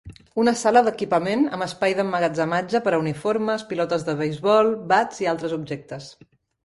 Una sala d'equipament amb espai d'emmagatzematge per a uniformes, pilotes de beisbol, bats i altres objectes.